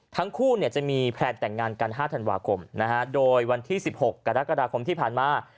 ทั้งคู่จะมีแพลนแต่งงานกัน๕ธันวาคมโดยวันที่๑๖กรกฎาคมที่ผ่านมา